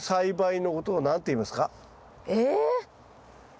え？